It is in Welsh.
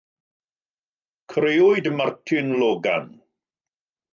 Crewyd Martin Logan.